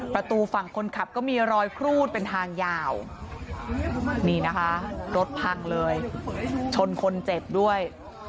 ประตูฝั่งคนขับก็มีรอยครูดเป็นทางยาวนี่นะคะรถพังเลยชนคนเจ็บด้วย